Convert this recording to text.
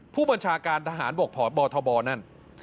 ผู้บัญชาการทหารบกพบทบนั่น